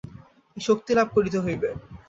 এই শক্তি লাভ করিতে হইবে।